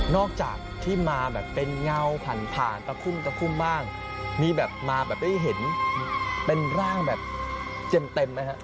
จากที่มาแบบเป็นเงาผ่านผ่านตะคุ่มตะคุ่มบ้างมีแบบมาแบบได้เห็นเป็นร่างแบบเต็มไหมครับ